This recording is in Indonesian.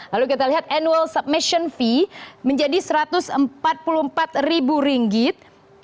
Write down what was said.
lalu kita lihat annual submission fee menjadi satu ratus empat puluh empat ribu ringgit